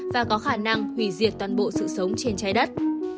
và có khả năng hủy diệt toàn bộ sự sống trên trái đất